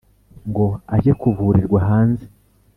ngo ajye kuvurirwa hanze.